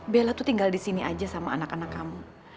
bella tuh tinggal disini aja sama anak anak kamu